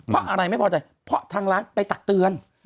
เพราะอะไรไม่พอใจเพราะทางร้านไปตักเตือน